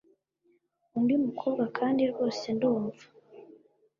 undi mukobwa kandi rwose ndumva